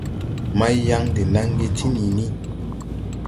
Maiyaŋ de naŋge ti niini.